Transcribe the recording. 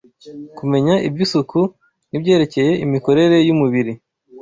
Kumenya iby’isuku n’ibyerekeye imikorere y’umubiri